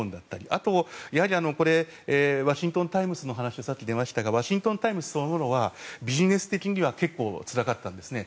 あと、ワシントン・タイムズの話が出ましたがワシントン・タイムズそのものはビジネス的には結構つらかったんですね。